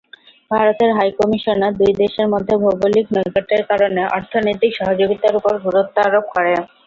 ভারতের হাইকমিশনার দুই দেশের মধ্যে ভৌগোলিক নৈকট্যের কারণে অর্থনৈতিক সহযোগিতার ওপর গুরুত্বারোপ করেন।